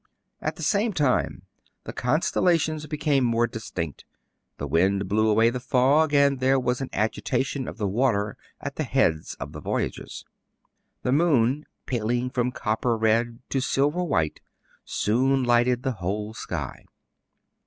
At the same time the constellations became more distinct, the wind blew away the fog, and there was an agitation of the water at the heads of the voyagers. The moon, paling from copper red to silver white, soon lighted the whole sky.